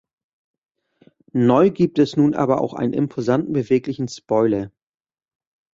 Neu gibt es nun aber auch einen imposanten beweglichen Spoiler.